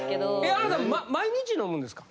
あなた毎日飲むんですか？